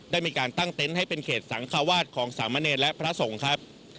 ได้มีการตั้งเต็นต์ให้เป็นเขตสังควาสของสามเณรและพระสงฆ์ครับ